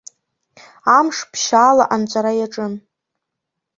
Амш ԥшьаала анҵәара иаҿын.